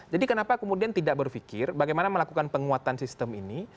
jadi kenapa kemudian tidak berfikir bagaimana melakukan penguatan sistem ini